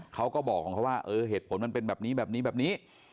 เขาก็บอกของเขาว่าเออเหตุผลมันเป็นแบบนี้แบบนี้แบบนี้